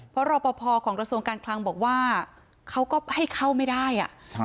เพราะรอปภของกระทรวงการคลังบอกว่าเขาก็ให้เข้าไม่ได้อ่ะครับ